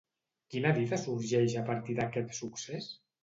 Quina dita sorgeix a partir d'aquest succés?